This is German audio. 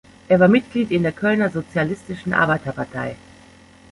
Er war Mitglied in der Kölner Sozialistischen Arbeiterpartei.